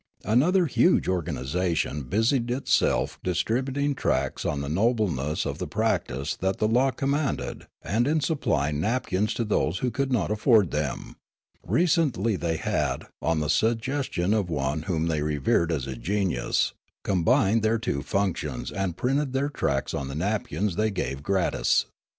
Another huge organisation busied itself in distributing tracts on the nobleness of the practice that the law commanded and in supplying napkins to those who could not afford them ; recentl}' they had, on the suggestion of one whom they revered as a genius, combined their two functions and printed their tracts on the napkins they gave gratis.